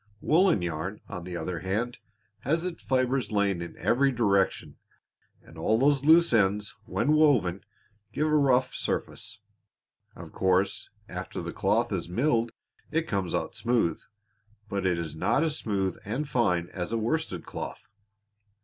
Woolen yarn, on the other hand, has its fibers lying in every direction and all these loose ends, when woven, give a rough surface. Of course after the cloth is milled it comes out smooth, but it is not as smooth and fine as a worsted cloth."